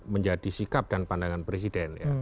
menjadi sikap dan pandangan presiden